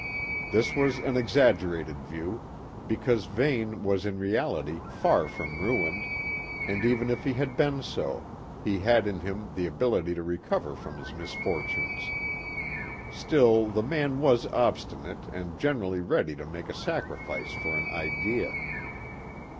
This was an exaggerated view, because Vane was in reality far from ruined, and even if he had been so, he had in him the ability to recover from his misfortunes. Still, the man was obstinate and generally ready to make a sacrifice for an idea.